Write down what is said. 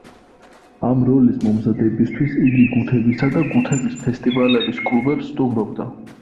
ამ როლის მომზადებისთვის, იგი გუთებისა და გუთების ფესტივალების კლუბებს სტუმრობდა.